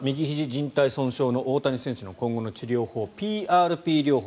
じん帯損傷の大谷選手の今後の治療法、ＰＲＰ療法